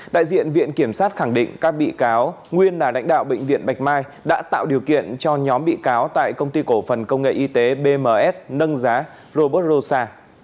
đại diện viện kiểm sát khẳng định các bị cáo nguyên là lãnh đạo bệnh viện bạch mai đã tạo điều kiện cho nhóm bị cáo tại công ty cổ phần công nghệ y tế bms nâng giá robot rosa